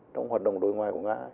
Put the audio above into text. trong hoạt động đối ngoại của nga